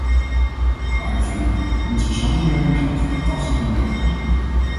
Waarde vrienden, onze samenwerking zou een fantastisch model kunnen zijn.